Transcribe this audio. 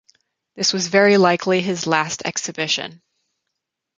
This was very likely his last exhibition.